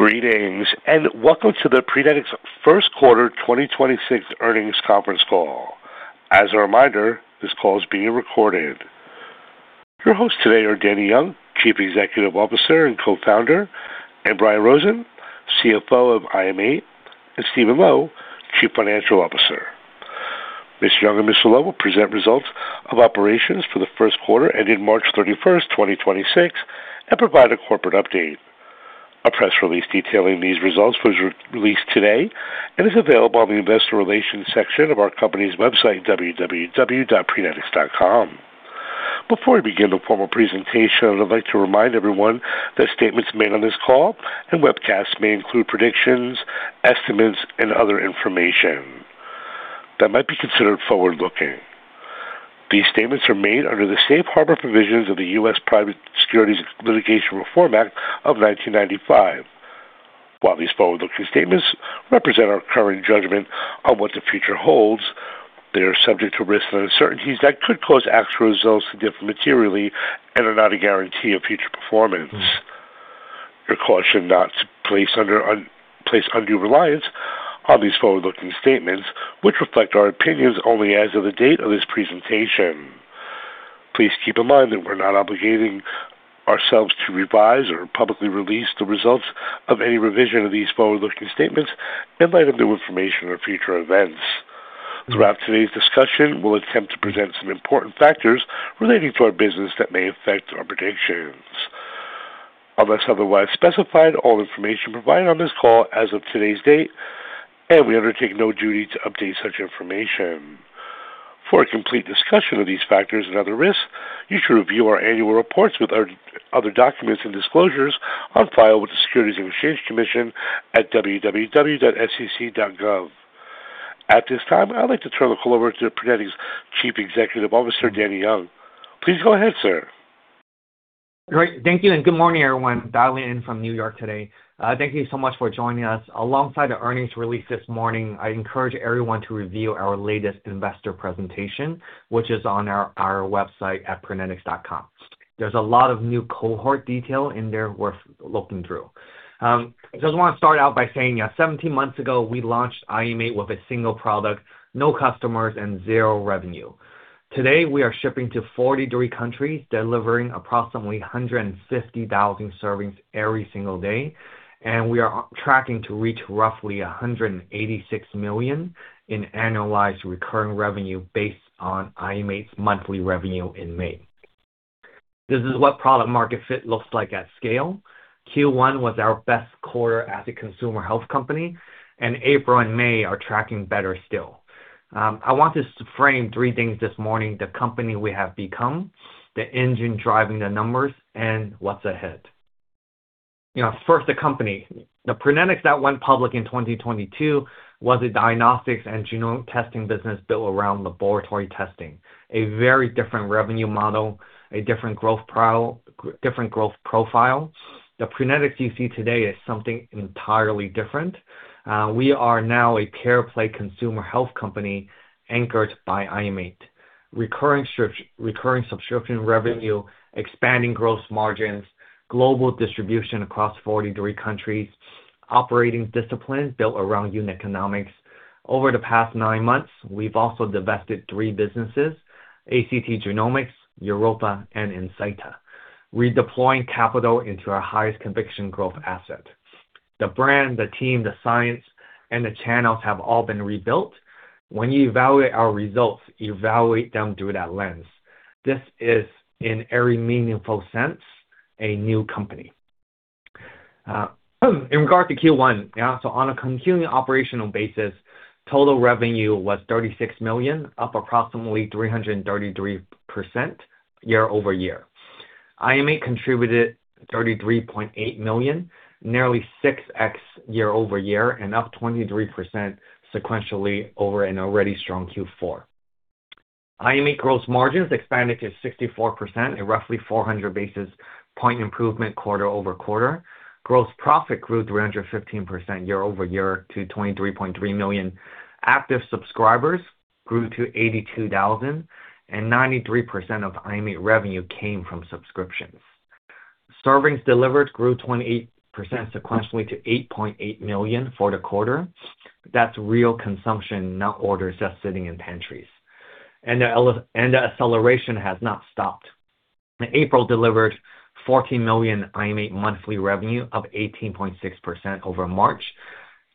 Greetings, and welcome to the Prenetics first quarter 2026 earnings conference call. As a reminder, this call is being recorded. Your hosts today are Danny Yeung, Chief Executive Officer and Co-Founder, and Brian Rosen, CFO of IM8, and Stephen Lo, Chief Financial Officer. Mr. Yeung and Mr. Lo will present results of operations for the first quarter ending March 31st, 2026, and provide a corporate update. A press release detailing these results was re-released today and is available on the investor relations section of our company's website, www.prenetics.com. Before we begin the formal presentation, I'd like to remind everyone that statements made on this call and webcast may include predictions, estimates, and other information that might be considered forward-looking. These statements are made under the safe harbor provisions of the U.S. Private Securities Litigation Reform Act of 1995. While these forward-looking statements represent our current judgment on what the future holds, they are subject to risks and uncertainties that could cause actual results to differ materially and are not a guarantee of future performance. You're cautioned not to place undue reliance on these forward-looking statements, which reflect our opinions only as of the date of this presentation. Please keep in mind that we're not obligating ourselves to revise or publicly release the results of any revision of these forward-looking statements in light of new information or future events. Throughout today's discussion, we'll attempt to present some important factors relating to our business that may affect our predictions. Unless otherwise specified, all information provided on this call as of today's date, and we undertake no duty to update such information. For a complete discussion of these factors and other risks, you should review our annual reports with our other documents and disclosures on file with the Securities and Exchange Commission at www.sec.gov. At this time, I'd like to turn the call over to Prenetics Chief Executive Officer, Danny Yeung. Please go ahead, sir. Great. Thank you. Good morning, everyone. Dialing in from NY today. Thank you so much for joining us. Alongside the earnings release this morning, I encourage everyone to review our latest investor presentation, which is on our website at prenetics.com. There's a lot of new cohort detail in there worth looking through. I just wanna start out by saying 17 months ago, we launched IM8 with a single product, no customers, and zero revenue. Today, we are shipping to 43 countries, delivering approximately 150,000 servings every single day, and we are on tracking to reach roughly $186 million in annualized recurring revenue based on IM8's monthly revenue in May. This is what product market fit looks like at scale. Q1 was our best quarter as a consumer health company. April and May are tracking better still. I want to frame three things this morning, the company we have become, the engine driving the numbers, and what's ahead. You know, first, the company. The Prenetics that went public in 2022 was a diagnostics and genome testing business built around laboratory testing. A very different revenue model, a different growth profile. The Prenetics you see today is something entirely different. We are now a care play consumer health company anchored by IM8. Recurring subscription revenue, expanding gross margins, global distribution across 43 countries, operating disciplines built around unit economics. Over the past nine months, we've also divested three businesses, ACT Genomics, Europa, and Insighta, redeploying capital into our highest conviction growth asset. The brand, the team, the science, and the channels have all been rebuilt. When you evaluate our results, evaluate them through that lens. This is, in every meaningful sense, a new company. In regard to Q1, on a continuing operational basis, total revenue was $36 million, up approximately 333% year-over-year. IM8 contributed $33.8 million, nearly 6x year-over-year, and up 23% sequentially over an already strong Q4. IM8 gross margins expanded to 64%, a roughly 400 basis point improvement quarter-over-quarter. Gross profit grew 315% year-over-year to $23.3 million. Active subscribers grew to 82,000. 93% of IM8 revenue came from subscriptions. Servings delivered grew 28% sequentially to $8.8 million for the quarter. That's real consumption, not orders just sitting in pantries. The acceleration has not stopped. April delivered $14 million IM8 monthly revenue, up 18.6% over March.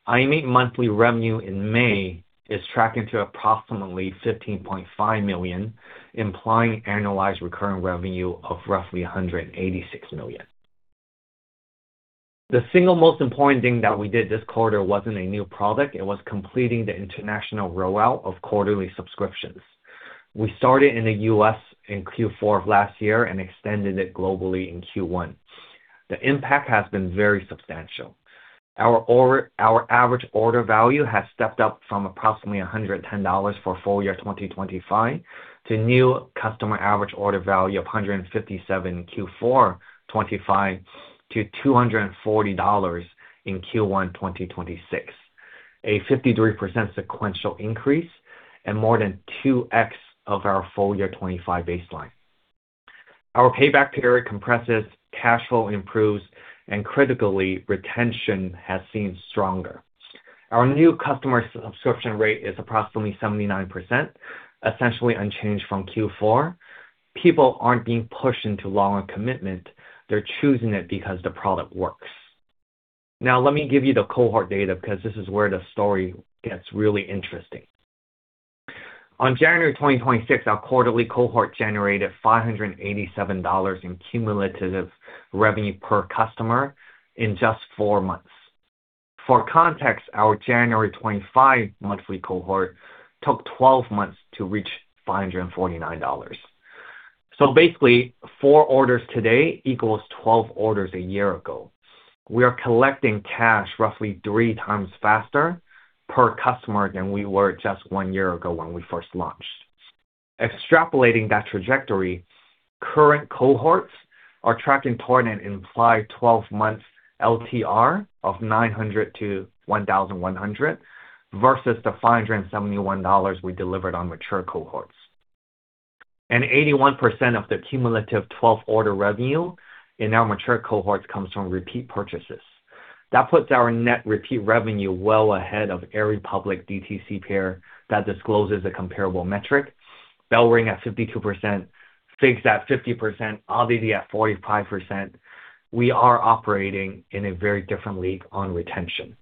IM8 monthly revenue in May is tracking to approximately $15.5 million, implying annualized recurring revenue of roughly $186 million. The single most important thing that we did this quarter wasn't a new product, it was completing the international roll out of quarterly subscriptions. We started in the U.S. in Q4 of last year and extended it globally in Q1. The impact has been very substantial. Our average order value has stepped up from approximately $110 for full year 2025 to new customer average order value of $157 in Q4 2025 to $240 in Q1 2026. A 53% sequential increase and more than 2x of our full year 2025 baseline. Our payback period compresses, cash flow improves, and critically, retention has seemed stronger. Our new customer subscription rate is approximately 79%, essentially unchanged from Q4. People aren't being pushed into long commitment. They're choosing it because the product works. Let me give you the cohort data because this is where the story gets really interesting. On January 2026, our quarterly cohort generated $587 in cumulative revenue per customer in just four months. For context, our January 2025 monthly cohort took 12 months to reach $549. Basically, four orders today equals 12 orders a year ago. We are collecting cash roughly 3x faster per customer than we were just one year ago when we first launched. Extrapolating that trajectory, current cohorts are tracking toward an implied 12-month LTR of $900-$1,100 versus the $571 we delivered on mature cohorts. 81% of the cumulative 12 order revenue in our mature cohorts comes from repeat purchases. That puts our net repeat revenue well ahead of every public DTC peer that discloses a comparable metric. BellRing at 52%, FIGS at 50%, Oddity at 45%. We are operating in a very different league on retention.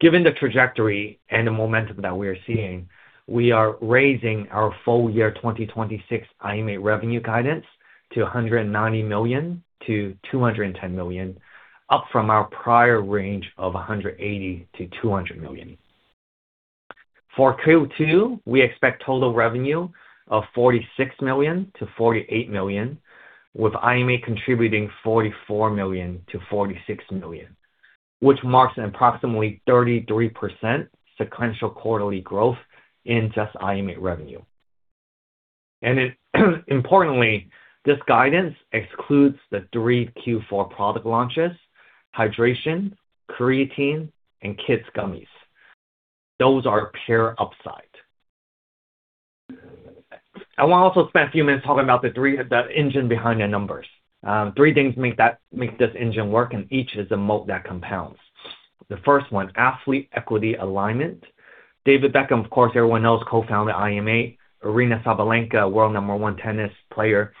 Given the trajectory and the momentum that we are seeing, we are raising our full year 2026 IM8 revenue guidance to $190 million-$210 million, up from our prior range of $180 million-$200 million. For Q2, we expect total revenue of $46 million-$48 million, with IM8 contributing $44 million-$46 million, which marks an approximately 33% sequential quarterly growth in just IM8 revenue. Importantly, this guidance excludes the three Q4 product launches, hydration, creatine, and kids gummies. Those are pure upside. I want to also spend a few minutes talking about the three the engine behind the numbers. Three things make this engine work. Each is a moat that compounds. The first one, athlete equity alignment. David Beckham, of course, everyone knows, co-founded IM8. Aryna Sabalenka, world number 1 tennis player,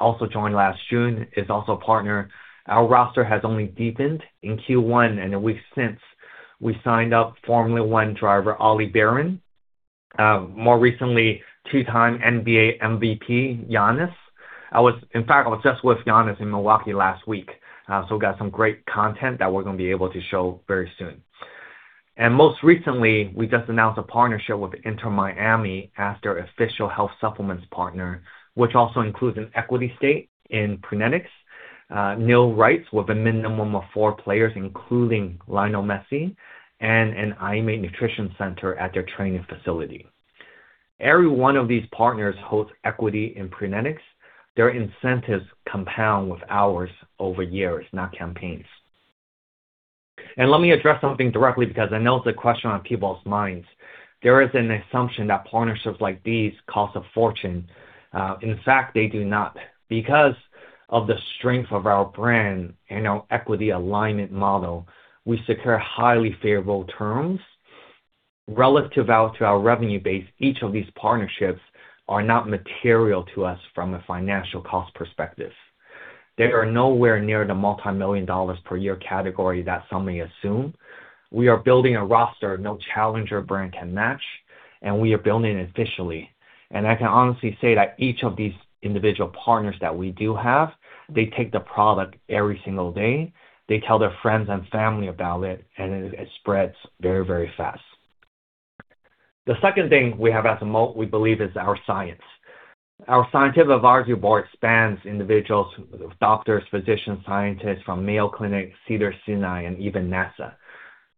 also joined last June, is also a partner. Our roster has only deepened in Q1. In the weeks since we signed up Formula One driver Ollie Bearman. More recently, two-time NBA MVP, Giannis. In fact, I was just with Giannis in Milwaukee last week. We got some great content that we're going to be able to show very soon. Most recently, we just announced a partnership with Inter Miami after official health supplements partner, which also includes an equity stake in Prenetics, NIL rights with a minimum of four players, including Lionel Messi and an IM8 nutrition center at their training facility. Every one of these partners holds equity in Prenetics. Their incentives compound with ours over years, not campaigns. Let me address something directly because I know it's a question on people's minds. There is an assumption that partnerships like these cost a fortune. In fact, they do not. Because of the strength of our brand and our equity alignment model, we secure highly favorable terms. Relative out to our revenue base, each of these partnerships are not material to us from a financial cost perspective. They are nowhere near the multimillion dollars per year category that some may assume. We are building a roster no challenger brand can match, and we are building it officially. I can honestly say that each of these individual partners that we do have, they take the product every single day. They tell their friends and family about it, and it spreads very, very fast. The second thing we have as a moat, we believe, is our science. Our scientific advisory board spans individuals, doctors, physicians, scientists from Mayo Clinic, Cedars-Sinai, and even NASA.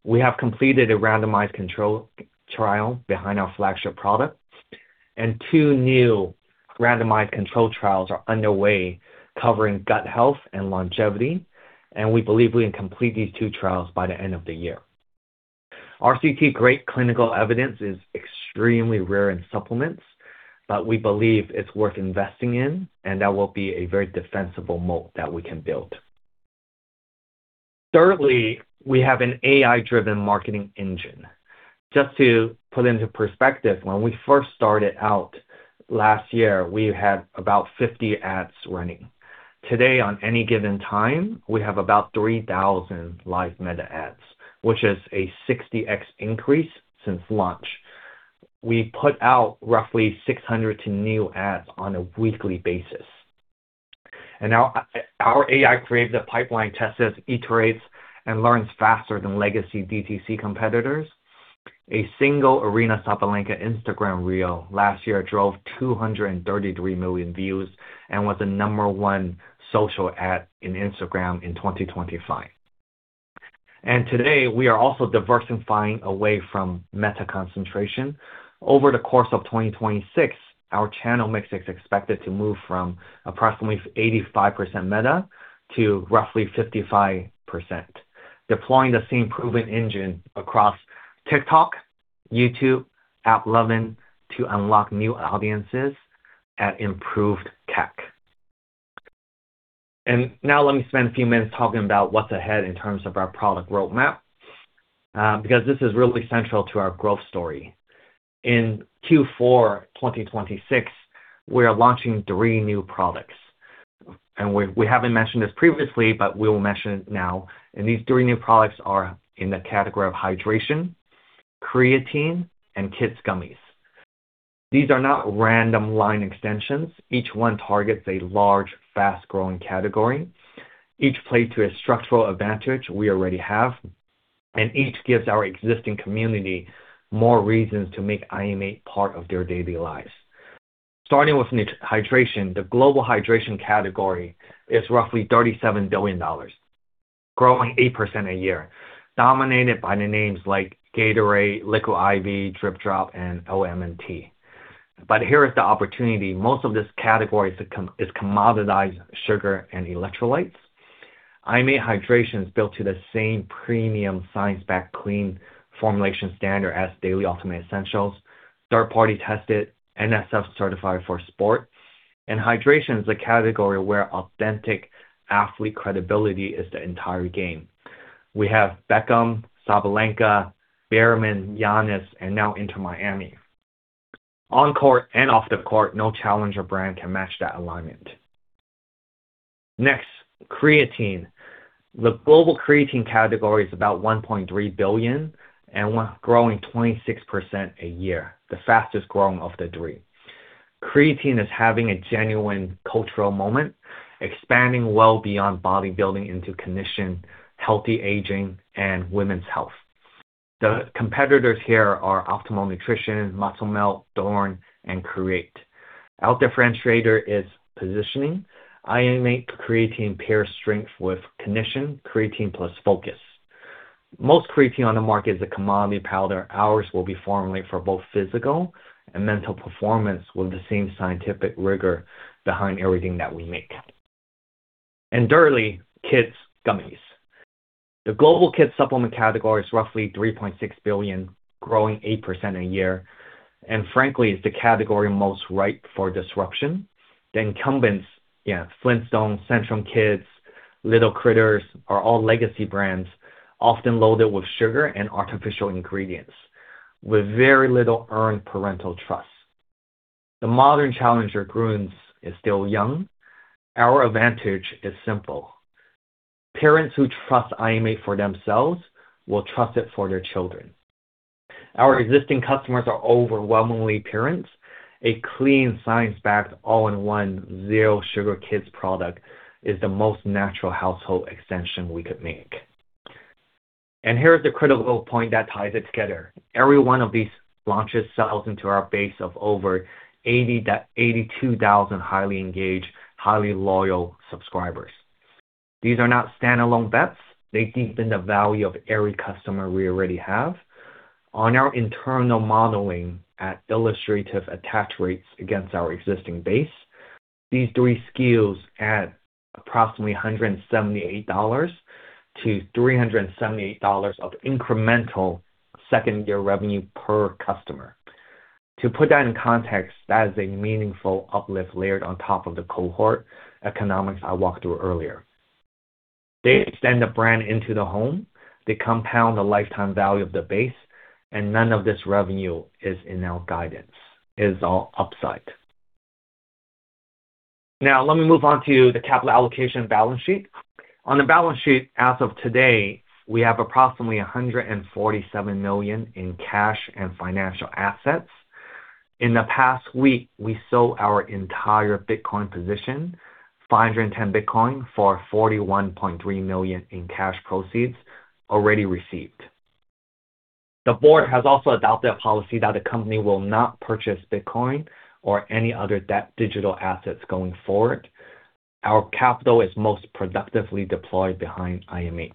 We have completed a randomized controlled trial behind our flagship product. Two new randomized controlled trials are underway covering gut health and longevity. We believe we can complete these two trials by the end of the year. RCT, great clinical evidence is extremely rare in supplements. We believe it's worth investing in. That will be a very defensible moat that we can build. Thirdly, we have an AI-driven marketing engine. Just to put into perspective, when we first started out last year, we had about 50 ads running. Today, on any given time, we have about 3,000 live Meta ads, which is a 60x increase since launch. We put out roughly 600 new ads on a weekly basis. Our AI creates a pipeline, tests, iterates, and learns faster than legacy DTC competitors. A single Aryna Sabalenka Instagram reel last year drove 233 million views and was the number one social ad in Instagram in 2025. Today, we are also diversifying away from Meta concentration. Over the course of 2026, our channel mix is expected to move from approximately 85% Meta to roughly 55%, deploying the same proven engine across TikTok, YouTube, AppLovin to unlock new audiences at improved CAC. Now let me spend a few minutes talking about what's ahead in terms of our product roadmap, because this is really central to our growth story. In Q4 2026, we are launching three new products. We haven't mentioned this previously, but we'll mention it now. These three new products are in the category of hydration, creatine, and kids' gummies. These are not random line extensions. Each one targets a large, fast-growing category. Each play to a structural advantage we already have, and each gives our existing community more reasons to make IM8 part of their daily lives. Starting with hydration, the global hydration category is roughly $37 billion, growing 8% a year, dominated by the names like Gatorade, Liquid I.V., DripDrop, and LMNT. Here is the opportunity. Most of this category is commoditized sugar and electrolytes. IM8 hydration is built to the same premium, science-backed, clean formulation standard as Daily Ultimate Essentials, third-party tested, NSF certified for sport. Hydration is a category where authentic athlete credibility is the entire game. We have Beckham, Sabalenka, Bearman, Giannis, and now Inter Miami. On court and off the court, no challenger brand can match that alignment. Next, creatine. The global creatine category is about $1.3 billion and growing 26% a year, the fastest-growing of the three. Creatine is having a genuine cultural moment, expanding well beyond bodybuilding into cognition, healthy aging, and women's health. The competitors here are Optimum Nutrition, Muscle Milk, Thorne, and Create Wellness. Our differentiator is positioning. IM8 creatine pairs strength with cognition, creatine plus focus. Most creatine on the market is a commodity powder. Ours will be formulated for both physical and mental performance with the same scientific rigor behind everything that we make. Thirdly, kids' gummies. The global kids supplement category is roughly $3.6 billion, growing 8% a year, and frankly, is the category most ripe for disruption. The incumbents, Flintstones, Centrum Kids, L'il Critters, are all legacy brands, often loaded with sugar and artificial ingredients, with very little earned parental trust. The modern challenger grooms is still young. Our advantage is simple. Parents who trust IM8 for themselves will trust it for their children. Our existing customers are overwhelmingly parents. A clean, science-backed, all-in-one, zero-sugar kids product is the most natural household extension we could make. Here is the critical point that ties it together. Every one of these launches sells into our base of over 80,000-82,000 highly engaged, highly loyal subscribers. These are not standalone bets. They deepen the value of every customer we already have. On our internal modeling at illustrative attach rates against our existing base, these three SKUs add approximately $178-$378 of incremental second-year revenue per customer. To put that in context, that is a meaningful uplift layered on top of the cohort economics I walked through earlier. They extend the brand into the home, they compound the lifetime value of the base, and none of this revenue is in our guidance. It is all upside. Let me move on to the capital allocation balance sheet. On the balance sheet as of today, we have approximately $147 million in cash and financial assets. In the past week, we sold our entire Bitcoin position, 510 Bitcoin, for $41.3 million in cash proceeds already received. The board has also adopted a policy that the company will not purchase Bitcoin or any other digital assets going forward. Our capital is most productively deployed behind IM8.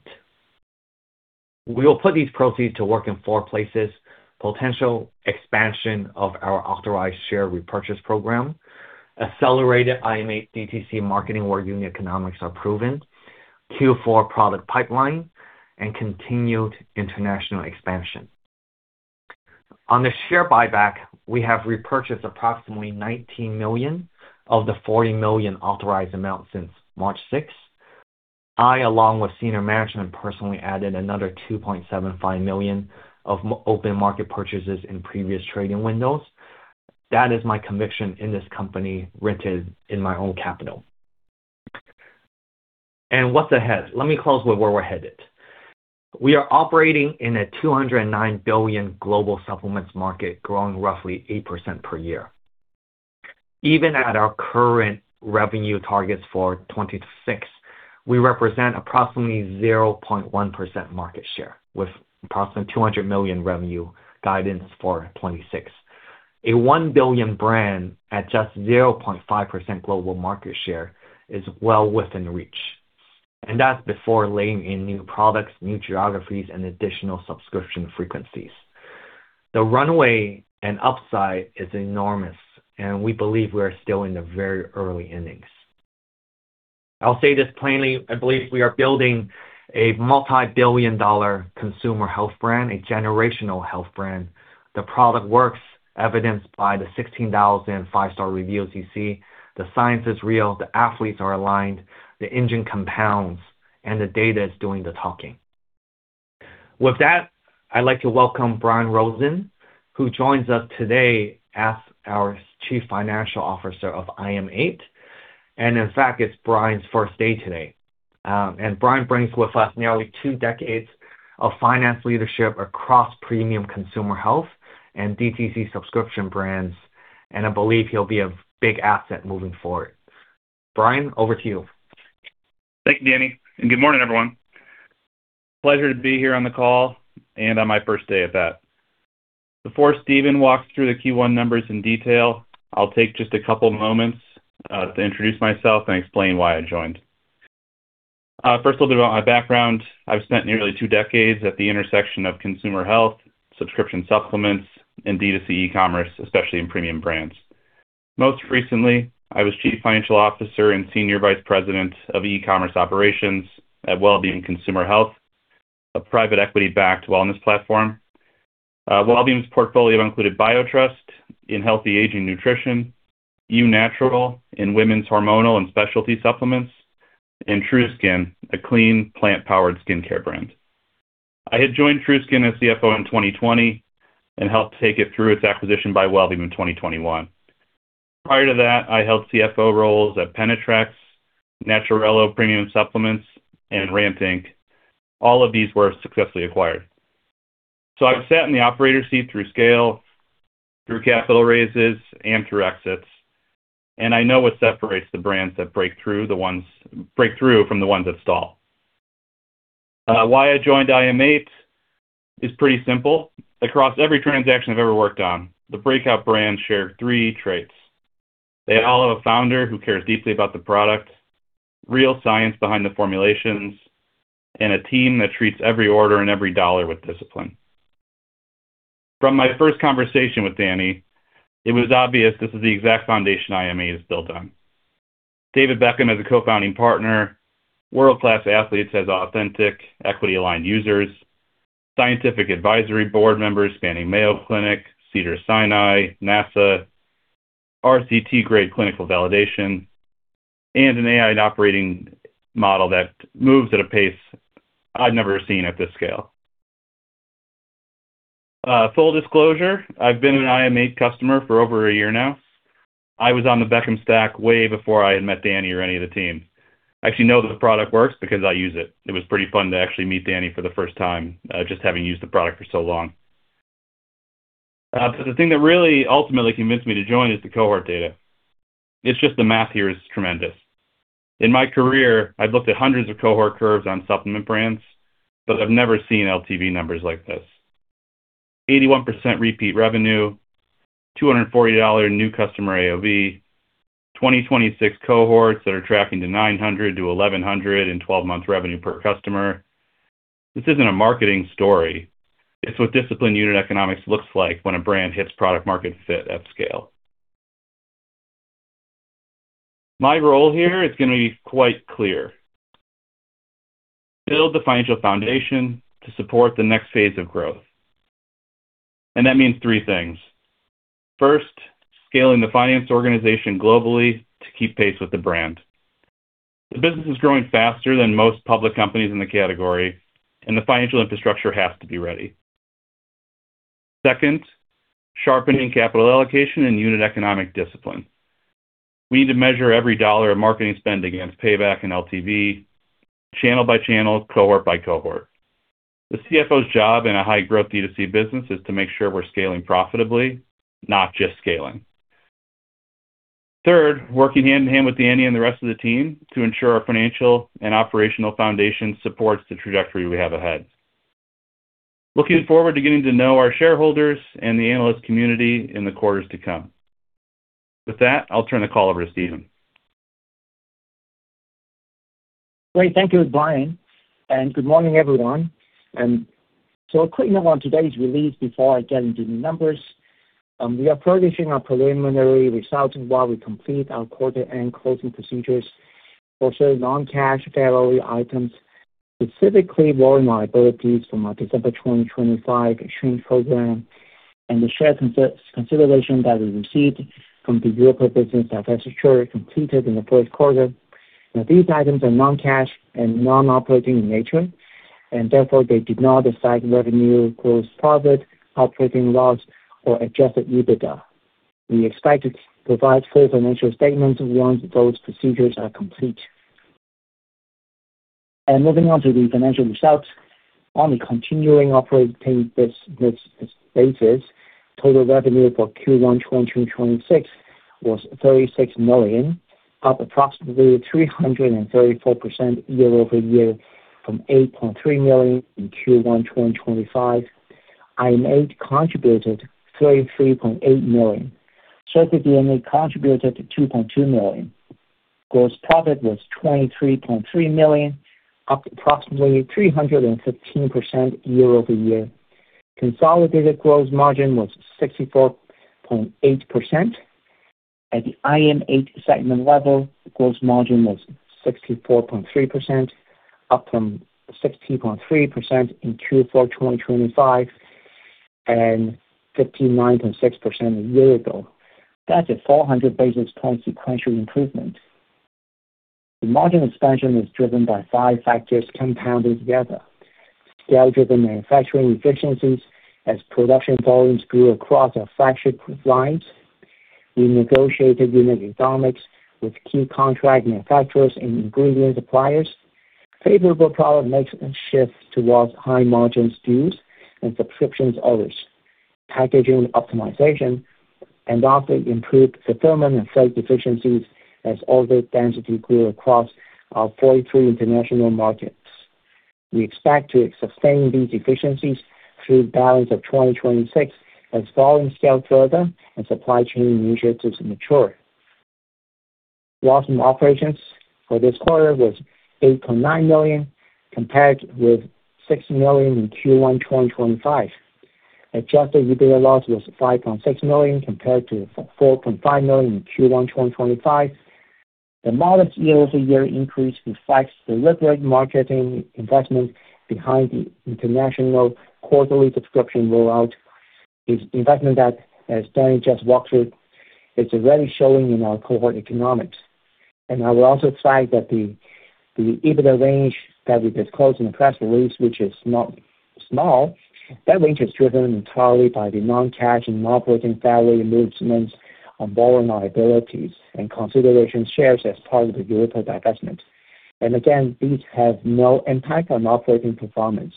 We will put these proceeds to work in four places: potential expansion of our authorized share repurchase program, accelerated IM8 DTC marketing where unit economics are proven, Q4 product pipeline, and continued international expansion. On the share buyback, we have repurchased approximately $19 million of the $40 million authorized amount since March 6. I, along with senior management, personally added another $2.75 million of open market purchases in previous trading windows. That is my conviction in this company rooted in my own capital. What's ahead? Let me close with where we're headed. We are operating in a $209 billion global supplements market, growing roughly 8% per year. Even at our current revenue targets for 2026, we represent approximately 0.1% market share with approximately $200 million revenue guidance for 2026. A $1 billion brand at just 0.5% global market share is well within reach. That's before laying in new products, new geographies, and additional subscription frequencies. The runway and upside is enormous, and we believe we are still in the very early innings. I'll say this plainly, I believe we are building a multi-billion dollar consumer health brand, a generational health brand. The product works, evidenced by the 16,000 five-star reviews you see. The science is real, the athletes are aligned, the engine compounds, and the data is doing the talking. With that, I'd like to welcome Brian Rosen, who joins us today as our Chief Financial Officer of IM8. In fact, it's Brian's first day today. Brian brings with us nearly two decades of finance leadership across premium consumer health and DTC subscription brands, and I believe he'll be a big asset moving forward. Brian, over to you. Thank you, Danny. Good morning, everyone. Pleasure to be here on the call and on my first day at that. Before Stephen walks through the Q1 numbers in detail, I'll take just a couple moments to introduce myself and explain why I joined. First a little about my background. I've spent nearly two decades at the intersection of consumer health, subscription supplements, and DTC e-commerce, especially in premium brands. Most recently, I was Chief Financial Officer and Senior Vice President of E-commerce Operations at Wellbeam Consumer Health, a private equity-backed wellness platform. Wellbeam's portfolio included BioTrust in healthy aging nutrition, Eu Natural in women's hormonal and specialty supplements, and TruSkin, a clean, plant-powered skincare brand. I had joined TruSkin as CFO in 2020 and helped take it through its acquisition by Wellbeam in 2021. Prior to that, I held CFO roles at Penetrex, NATURELO Premium Supplements, and Rant Inc. All of these were successfully acquired. I've sat in the operator seat through scale, through capital raises, and through exits, and I know what separates the brands that break through from the ones that stall. Why I joined IM8 is pretty simple. Across every transaction I've ever worked on, the breakout brands share three traits. They all have a founder who cares deeply about the product, real science behind the formulations, and a team that treats every order and every dollar with discipline. From my first conversation with Danny, it was obvious this is the exact foundation IM8 is built on. David Beckham as a co-founding partner, world-class athletes as authentic, equity-aligned users, scientific advisory board members spanning Mayo Clinic, Cedars-Sinai, NASA, RCT grade clinical validation, and an AI and operating model that moves at a pace I'd never seen at this scale. Full disclosure, I've been an IM8 customer for over a year now. I was on The Beckham Stack way before I had met Danny or any of the team. I actually know that the product works because I use it. It was pretty fun to actually meet Danny for the first time, just having used the product for so long. The thing that really ultimately convinced me to join is the cohort data. It's just the math here is tremendous. In my career, I've looked at hundreds of cohort curves on supplement brands, but I've never seen LTV numbers like this. 81% repeat revenue, $240 new customer AOV, 2026 cohorts that are tracking to $900-$1,100 in 12-month revenue per customer. This isn't a marketing story. It's what disciplined unit economics looks like when a brand hits product-market fit at scale. My role here is gonna be quite clear. Build the financial foundation to support the next phase of growth. That means three things. First, scaling the finance organization globally to keep pace with the brand. The business is growing faster than most public companies in the category, and the financial infrastructure has to be ready. Second, sharpening capital allocation and unit economic discipline. We need to measure every dollar of marketing spend against payback and LTV, channel by channel, cohort by cohort. The CFO's job in a high-growth D2C business is to make sure we're scaling profitably, not just scaling. Third, working hand-in-hand with Danny and the rest of the team to ensure our financial and operational foundation supports the trajectory we have ahead. Looking forward to getting to know our shareholders and the analyst community in the quarters to come. With that, I'll turn the call over to Stephen. Great. Thank you, Brian. Good morning, everyone. A quick note on today's release before I get into the numbers. We are publishing our preliminary results while we complete our quarter end closing procedures for certain non-cash variable items, specifically loan liabilities from our December 2025 exchange program and the share consideration that we received from the Europa divestiture completed in the first quarter. These items are non-cash and non-operating in nature, therefore, they did not affect revenue, gross profit, operating loss, or adjusted EBITDA. We expect to provide full financial statements once those procedures are complete. Moving on to the financial results. On a continuing operating basis, total revenue for Q1 2026 was $36 million, up approximately 334% year-over-year from $8.3 million in Q1 2025. IM8 contributed $33.8 million. CircleDNA contributed to $2.2 million. Gross profit was $23.3 million, up approximately 315% year-over-year. Consolidated gross margin was 64.8%. At the IM8 segment level, the gross margin was 64.3%, up from 16.3% in Q4 2025 and 59.6% a year ago. That's a 400 basis point sequential improvement. The margin expansion was driven by five factors compounded together: scale-driven manufacturing efficiencies as production volumes grew across our flagship lines. We negotiated unit economics with key contract manufacturers and ingredient suppliers. Favorable product mix and shift towards high-margin SKUs and subscriptions orders. Packaging optimization and often improved fulfillment and freight efficiencies as order density grew across our 43 international markets. We expect to sustain these efficiencies through balance of 2026 as volume scale further and supply chain initiatives mature. Loss from operations for this quarter was $8.9 million, compared with $6 million in Q1 2025. Adjusted EBITDA loss was $5.6 million, compared to $4.5 million in Q1 2025. The modest year-over-year increase reflects deliberate marketing investment behind the international quarterly subscription rollout, is investment that as Danny just walked through, it's already showing in our cohort economics. I will also cite that the EBITDA range that we disclosed in the press release, which is not small, that range is driven entirely by the non-cash and non-operating value movements on borrowing liabilities and consideration shares as part of the Europa divestment. Again, these have no impact on operating performance.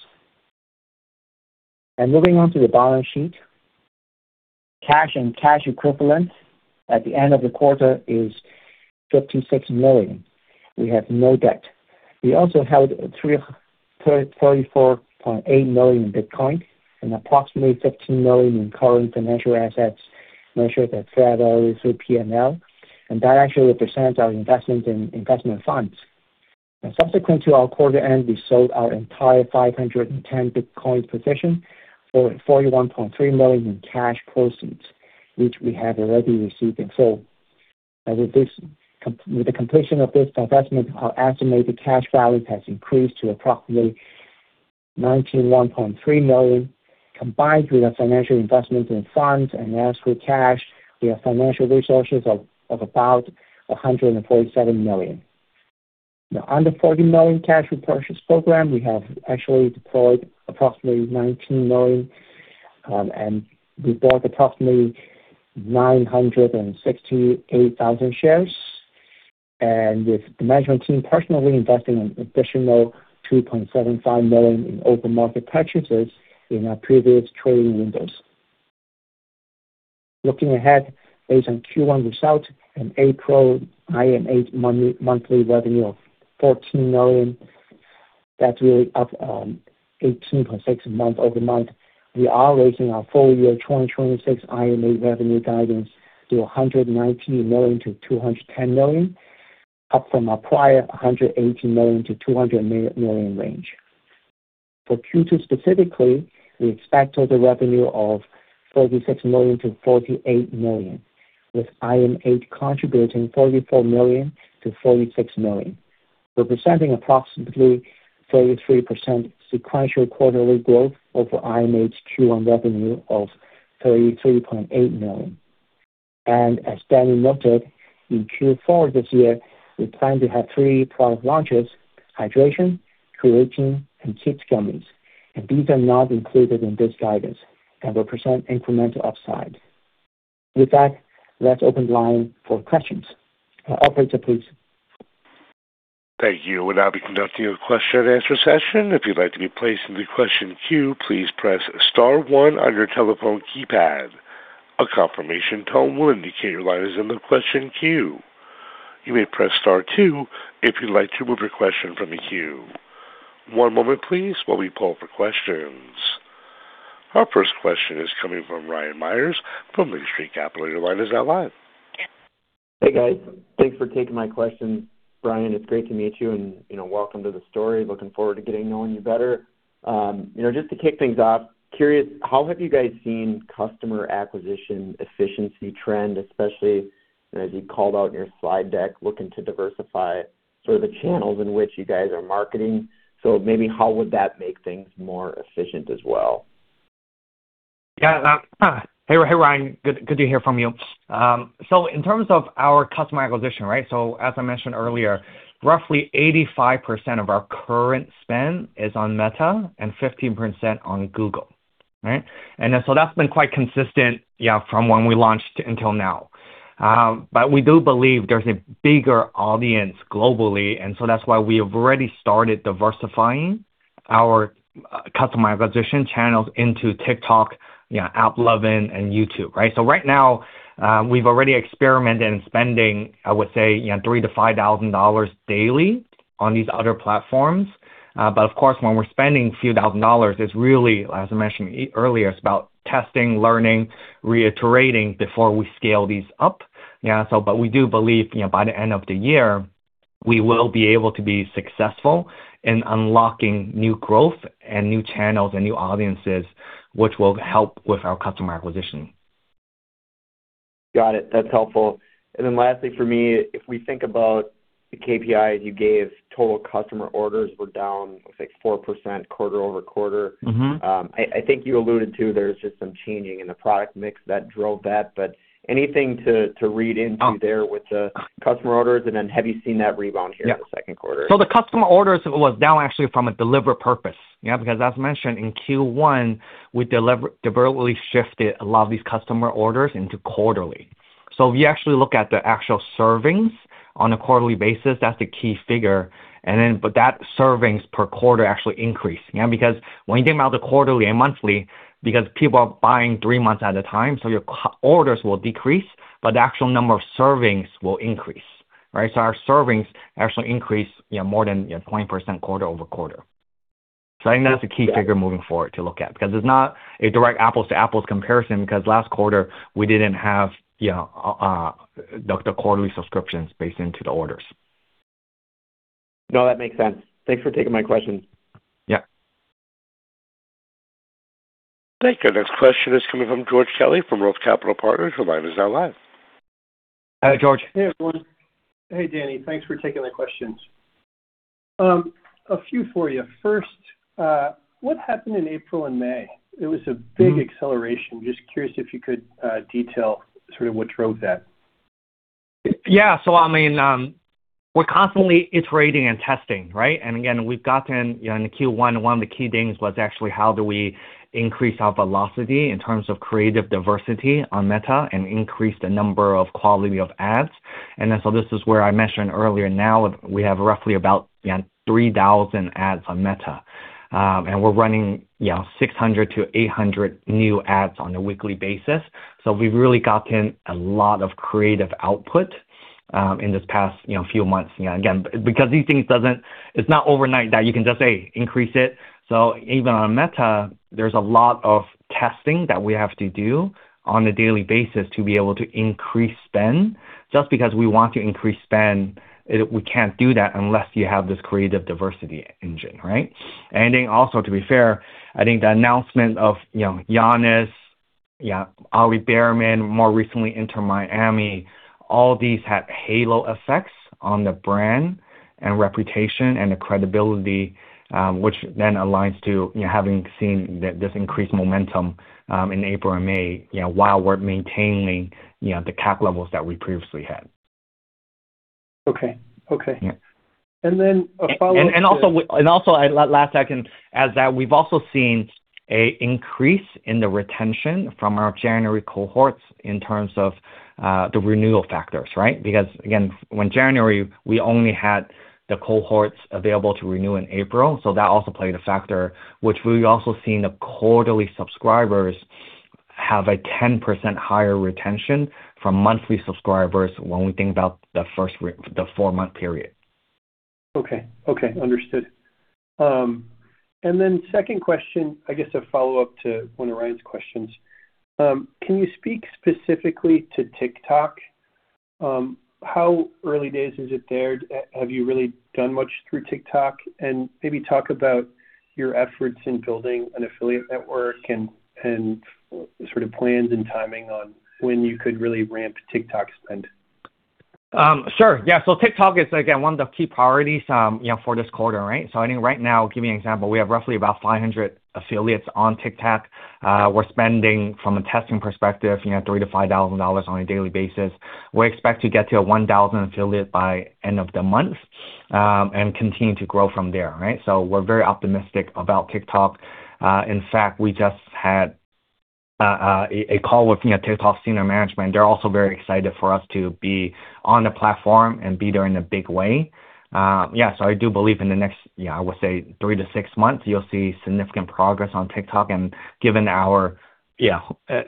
Moving on to the balance sheet. Cash and cash equivalents at the end of the quarter is $56 million. We have no debt. We also held $34.8 million in Bitcoin and approximately $15 million in current financial assets measured at fair value through P&L, that actually represents our investment in investment funds. Subsequent to our quarter end, we sold our entire 510 Bitcoin position for $41.3 million in cash proceeds, which we have already received in full. With the completion of this divestment, our estimated cash balance has increased to approximately $91.3 million, combined with our financial investment in funds and escrow cash, we have financial resources of about $147 million. Under $40 million cash repurchase program, we have actually deployed approximately $19 million, we bought approximately 968,000 shares. With the management team personally investing an additional $2.75 million in open market purchases in our previous trading windows. Looking ahead, based on Q1 results and April IM8 monthly revenue of $14 million, that's really up 18.6% month-over-month. We are raising our full year 2026 IM8 revenue guidance to $119 million-$210 million, up from our prior $180 million-$200 million range. For Q2 specifically, we expect total revenue of $36 million-$48 million, with IM8 contributing $34 million-$46 million, representing approximately 33% sequential quarterly growth over IM8's Q1 revenue of $33.8 million. As Danny noted, in Q4 this year, we plan to have three product launches: hydration, creatine, and kids gummies. These are not included in this guidance and represent incremental upside. With that, let's open the line for questions. Operator, please. Thank you. We'll now be conducting a question-and-answer session. If you'd like to be placed in the question queue, please press star one on your telephone keypad. A confirmation tone will indicate your line is in the question queue. You may press star two if you'd like to remove your question from the queue. One moment please while we poll for questions. Our first question is coming from Ryan Meyers from Lake Street Capital. Your line is now live. Hey, guys. Thanks for taking my question. Brian, it's great to meet you and, you know, welcome to the story. Looking forward to getting knowing you better. You know, just to kick things off, curious, how have you guys seen customer acquisition efficiency trend, especially as you called out in your slide deck, looking to diversify sort of the channels in which you guys are marketing. Maybe how would that make things more efficient as well? Yeah. Hey, Ryan. Good, good to hear from you. In terms of our customer acquisition, right? As I mentioned earlier, roughly 85% of our current spend is on Meta and 15% on Google, right? That's been quite consistent, yeah, from when we launched until now. We do believe there's a bigger audience globally, that's why we have already started diversifying our customer acquisition channels into TikTok, yeah, AppLovin, and YouTube, right? Right now, we've already experimented in spending, I would say, you know, $3,000-$5,000 daily on these other platforms. Of course, when we're spending a few thousand dollars, it's really, as I mentioned earlier, it's about testing, learning, reiterating before we scale these up. Yeah, we do believe, you know, by the end of the year. We will be able to be successful in unlocking new growth and new channels and new audiences, which will help with our customer acquisition. Got it. That's helpful. Lastly for me, if we think about the KPIs you gave, total customer orders were down, I think, 4% quarter-over-quarter. I think you alluded to there's just some changing in the product mix that drove that. Anything to read into there with the customer orders, and then have you seen that rebound here? Yeah In the second quarter? The customer orders was down actually from a deliberate purpose, yeah. As mentioned, in Q1, we deliberately shifted a lot of these customer orders into quarterly. If you actually look at the actual servings on a quarterly basis, that's the key figure. That servings per quarter actually increased, yeah. When you think about the quarterly and monthly, because people are buying three months at a time, your customer orders will decrease. The actual number of servings will increase, right? Our servings actually increased, you know, more than, you know, 20% quarter-over-quarter. I think that's a key figure moving forward to look at, because it's not a direct apples to apples comparison, because last quarter we didn't have, you know, the quarterly subscriptions based into the orders. No, that makes sense. Thanks for taking my question. Yeah. Thank you. Next question is coming from George Kelly from Roth Capital Partners. Your line is now live. Hi, George. Hey, everyone. Hey, Danny. Thanks for taking the questions. A few for you. First, what happened in April and May? It was a big acceleration. I'm just curious if you could detail sort of what drove that. I mean, we're constantly iterating and testing, right? Again, we've gotten, you know, in the Q1, one of the key things was actually how do we increase our velocity in terms of creative diversity on Meta and increase the number of quality of ads. This is where I mentioned earlier, now we have roughly about, you know, 3,000 ads on Meta. We're running, you know, 600 ads-800 new ads on a weekly basis. We've really gotten a lot of creative output in this past, you know, few months. You know, again, It's not overnight that you can just say, "Increase it." Even on Meta, there's a lot of testing that we have to do on a daily basis to be able to increase spend. Just because we want to increase spend, we can't do that unless you have this creative diversity engine, right? Also, to be fair, I think the announcement of, you know, Giannis, you know, Ollie Bearman more recently Inter Miami, all these have halo effects on the brand and reputation and the credibility, which then aligns to, you know, having seen this increased momentum in April and May, you know, while we're maintaining, you know, the cap levels that we previously had. Okay. Yeah. A follow-up. Also we've also seen a increase in the retention from our January cohorts in terms of the renewal factors, right. Because again, when January, we only had the cohorts available to renew in April, so that also played a factor, which we've also seen the quarterly subscribers have a 10% higher retention from monthly subscribers when we think about the first the four-month period. Okay. Okay. Understood. Second question, I guess a follow-up to one of Ryan's questions. Can you speak specifically to TikTok? How early days is it there? Have you really done much through TikTok? Maybe talk about your efforts in building an affiliate network and sort of plans and timing on when you could really ramp TikTok spend. Sure. Yeah. TikTok is, again, one of the key priorities, you know, for this quarter. I think right now, give you an example, we have roughly about 500 affiliates on TikTok. We're spending from a testing perspective, you know, $3,000-$5,000 on a daily basis. We expect to get to a 1,000 affiliate by end of the month and continue to grow from there. We're very optimistic about TikTok. In fact, we just had a call with, you know, TikTok senior management. They're also very excited for us to be on the platform and be there in a big way. Yeah. I do believe in the next, you know, I would say three to six months, you'll see significant progress on TikTok and given our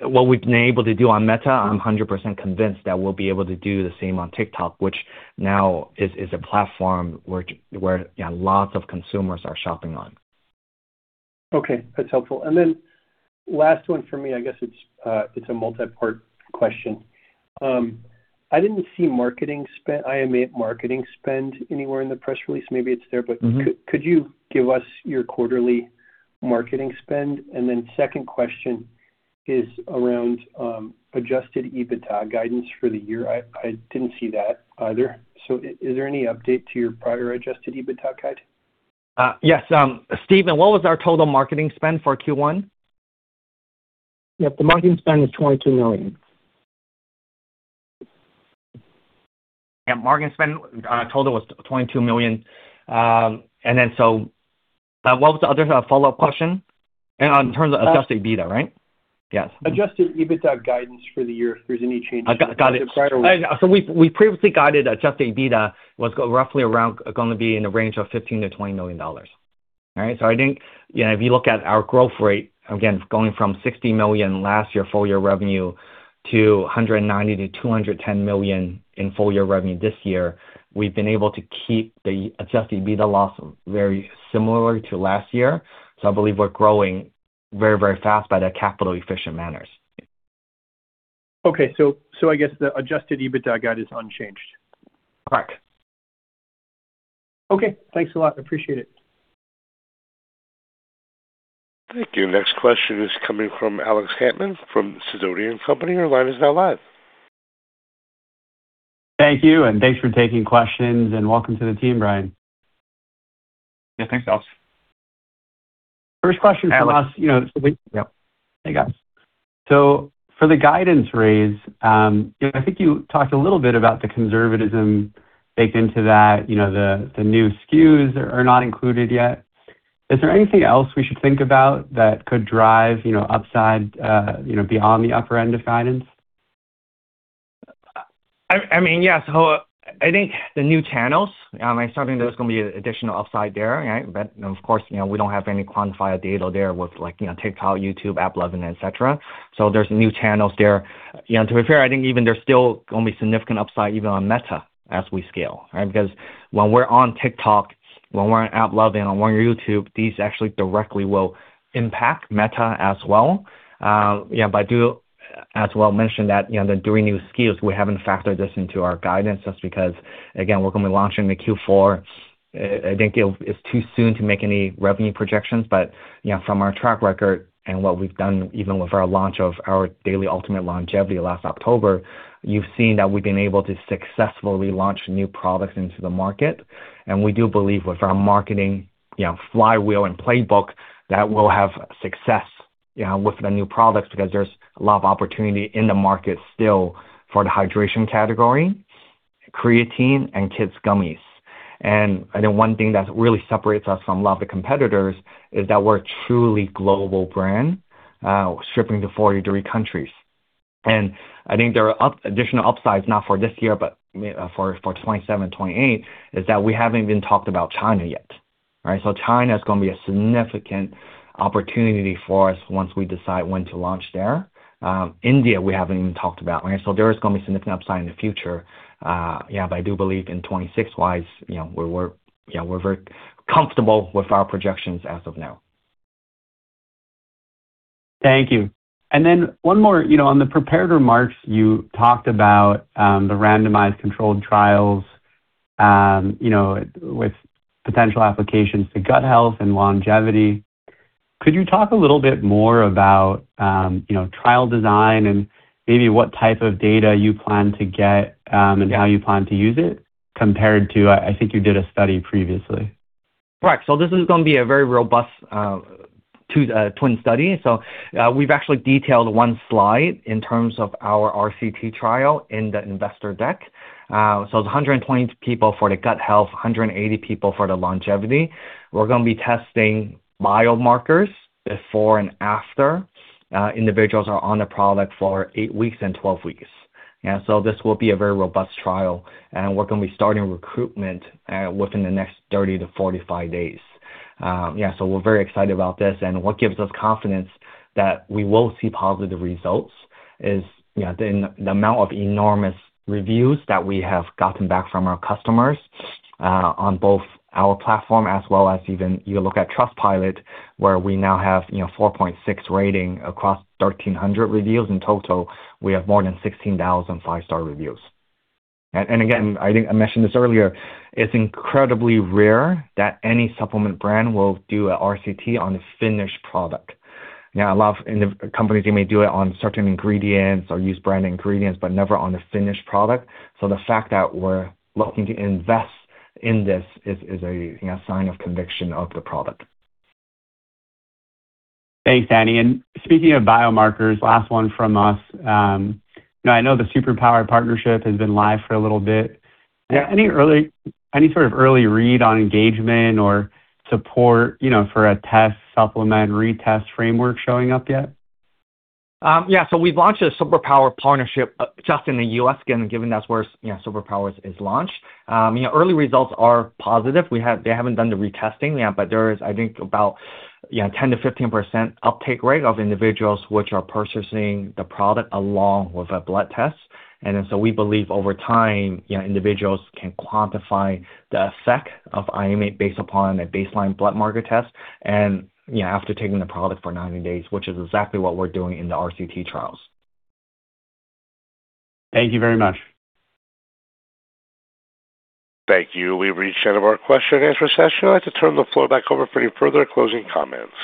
what we've been able to do on Meta, I'm 100% convinced that we'll be able to do the same on TikTok, which now is a platform where, you know, lots of consumers are shopping on. Okay. That's helpful. Last one for me, I guess it's a multi-part question. I didn't see marketing spend, IM8 marketing spend anywhere in the press release. Maybe it's there, but. Could you give us your quarterly marketing spend? Second question is around adjusted EBITDA guidance for the year. I didn't see that either. Is there any update to your prior adjusted EBITDA guide? Yes. Stephen, what was our total marketing spend for Q1? Yep. The marketing spend was $22 million. Yeah. Marketing spend, total was $22 million. What was the other follow-up question? In terms of adjusted EBITDA, right? Adjusted EBITDA guidance for the year, if there's any changes. Got it. From the prior one. We previously guided adjusted EBITDA was roughly around, gonna be in the range of $15 million-$20 million. All right? I think, you know, if you look at our growth rate, again, going from $60 million last year full-year revenue to $190 million-$210 million in full-year revenue this year, we've been able to keep the adjusted EBITDA loss very similar to last year. I believe we're growing very fast by the capital efficient manners. Okay. I guess the adjusted EBITDA guide is unchanged. Correct. Okay. Thanks a lot. Appreciate it. Thank you. Next question is coming from Alex Hantman from Sidoti & Company. Your line is now live. Thank you, and thanks for taking questions, and welcome to the team, Brian. Yeah. Thanks, Alex. First question from us, you know. Yep. Hey, guys. For the guidance raise, I think you talked a little bit about the conservatism baked into that. You know, the new SKUs are not included yet. Is there anything else we should think about that could drive, you know, upside, you know, beyond the upper end of guidance? I mean, yeah. I think the new channels, I certainly there's gonna be additional upside there, right? Of course, you know, we don't have any quantified data there with like, you know, TikTok, YouTube, AppLovin, et cetera. There's new channels there. To be fair, I think even there's still gonna be significant upside even on Meta as we scale, right? When we're on TikTok, when we're on AppLovin, on YouTube, these actually directly will impact Meta as well. Yeah. I do as well mention that, you know, the three new SKUs, we haven't factored this into our guidance just because, again, we're gonna be launching the Q4. I think it's too soon to make any revenue projections, but, you know, from our track record and what we've done, even with our launch of our Daily Ultimate Longevity last October, you've seen that we've been able to successfully launch new products into the market. We do believe with our marketing, you know, flywheel and playbook, that we'll have success, you know, with the new products because there's a lot of opportunity in the market still for the hydration category, creatine and kids gummies. I think one thing that really separates us from a lot of the competitors is that we're a truly global brand, shipping to 43 countries. I think there are additional upsides, not for this year, but for 2027, 2028, is that we haven't even talked about China yet, right? China is gonna be a significant opportunity for us once we decide when to launch there. India, we haven't even talked about, right? There is gonna be significant upside in the future. yeah, I do believe in 2026 wise, you know, we're, yeah, we're very comfortable with our projections as of now. Thank you. One more. You know, on the prepared remarks, you talked about the randomized controlled trials, you know, with potential applications to gut health and longevity. Could you talk a little bit more about, you know, trial design and maybe what type of data you plan to get and how you plan to use it compared to, I think you did a study previously. Right. This is gonna be a very robust twin study. We've actually detailed one slide in terms of our RCT trial in the investor deck. It's 120 people for the gut health, 180 people for the longevity. We're gonna be testing biomarkers before and after individuals are on the product for eight weeks and 12 weeks. This will be a very robust trial, and we're gonna be starting recruitment within the next 30 days-45 days. We're very excited about this. What gives us confidence that we will see positive results is, you know, the amount of enormous reviews that we have gotten back from our customers on both our platform as well as even you look at Trustpilot, where we now have, you know, 4.6 rating across 1,300 reviews. In total, we have more than 16,000 5-star reviews. Again, I think I mentioned this earlier, it's incredibly rare that any supplement brand will do a RCT on a finished product. You know, a lot of companies, they may do it on certain ingredients or use brand ingredients, but never on a finished product. The fact that we're looking to invest in this is a, you know, sign of conviction of the product. Thanks, Danny. Speaking of biomarkers, last one from us. Now I know the Superpower partnership has been live for a little bit. Yeah. Any early, any sort of early read on engagement or support, you know, for a test supplement retest framework showing up yet? Yeah. We've launched a Superpower partnership just in the U.S., given that's where, you know, Superpower is launched. You know, early results are positive. They haven't done the retesting. Yeah, there is, I think, about, you know, 10%-15% uptake rate of individuals which are purchasing the product along with a blood test. We believe over time, you know, individuals can quantify the effect of IM8 based upon a baseline blood marker test and, you know, after taking the product for 90 days, which is exactly what we're doing in the RCT trials. Thank you very much. Thank you. We've reached the end of our question-and-answer session. I'd like to turn the floor back over for any further closing comments.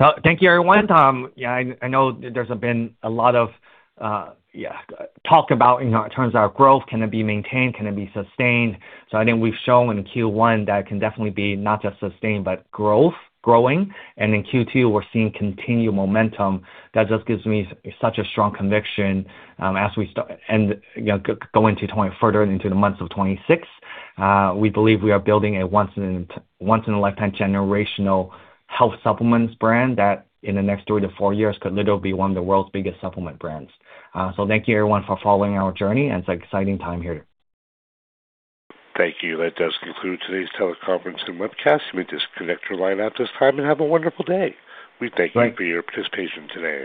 Well, thank you, everyone. Yeah, I know there's been a lot of, yeah, talk about, you know, in terms of our growth, can it be maintained, can it be sustained? I think we've shown in Q1 that it can definitely be not just sustained, but growth growing. In Q2, we're seeing continued momentum. That just gives me such a strong conviction, as we start and, you know, go further into the months of 2026. We believe we are building a once in a lifetime generational health supplements brand that in the next three to four years could literally be 1 of the world's biggest supplement brands. Thank you everyone for following our journey, and it's an exciting time here. Thank you. That does conclude today's teleconference and webcast. You may disconnect your line at this time and have a wonderful day. We thank you for your participation today.